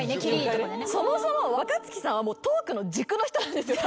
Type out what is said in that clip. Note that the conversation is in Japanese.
そもそも若槻さんはトークの軸の人なんですよ。